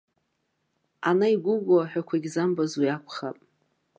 Ана игәыгәу аҳәақәагь замбаз уи акәхап.